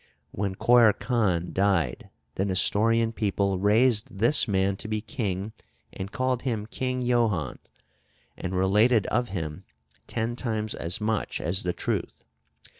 When Coir Khan died, the Nestorian people raised this man to be king, and called him King Johannes, and related of him ten times as much as the truth.